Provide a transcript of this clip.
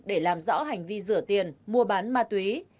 để làm rõ hành vi rửa tiền mua bán ma túy